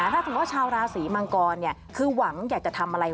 ถ้าสมมุติว่าชาวราศีมังกรคือหวังอยากจะทำอะไร